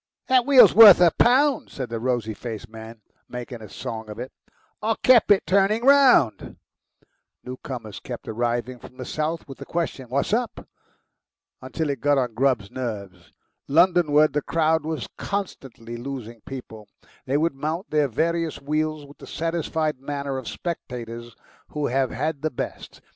"That wheel's worth a pound," said the rosy faced man, making a song of it. "I kep' turning it round." Newcomers kept arriving from the south with the question, "What's up?" until it got on Grubb's nerves. Londonward the crowd was constantly losing people; they would mount their various wheels with the satisfied manner of spectators who have had the best.